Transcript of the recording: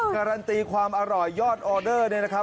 การันตีความอร่อยยอดออเดอร์